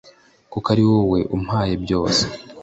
kuko ari wowe umpaye byose